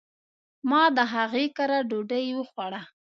ما د هغي کره ډوډي وخوړه